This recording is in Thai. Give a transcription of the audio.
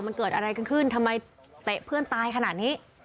มันเกิดอะไรกันขึ้นทำไมเตะเพื่อนตายขนาดนี้